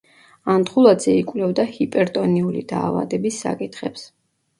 ანდღულაძე იკვლევდა ჰიპერტონიული დაავადების საკითხებს.